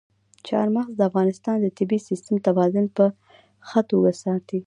چار مغز د افغانستان د طبعي سیسټم توازن په ښه توګه ساتي.